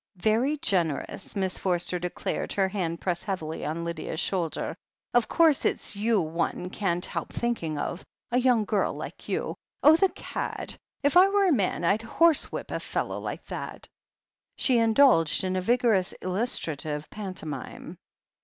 "Very generous 1" Miss Forster declared, her hand pressed heavily on Lydia's shoulder. "Of course, it's you one can't help thinking of — a young girl like you. Oh, the cadi If I were a man, I'd horsewhip a fellow like that" She indulged in a vigorous illustrative pantomime.